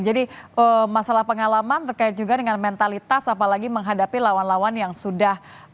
jadi masalah pengalaman terkait juga dengan mentalitas apalagi menghadapi lawan lawan yang sudah